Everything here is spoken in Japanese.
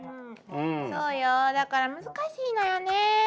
そうよだから難しいのよね。